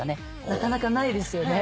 なかなかないですよね。